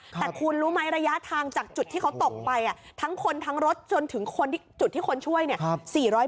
แต่คุณรู้ไหมระยะทางจากจุดที่เขาตกไปทั้งคนทั้งรถจนถึงคนที่จุดที่คนช่วยเนี่ย